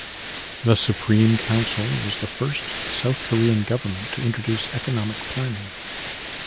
The Supreme Council was the first South Korean government to introduce economic planning.